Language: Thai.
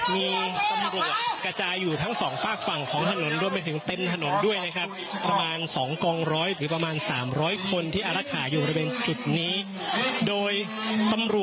มีตำรวจกระจายอยู่ทั้งสองฝากฝั่งของถนนด้วนไปถึงเต็มถนนด้วยนะครับประมาณ๒กองร้อยหรือประมาณ๓๐๐คนที่อารัคหาอยู่ระดับ